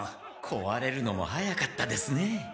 こわれるのも早かったですね。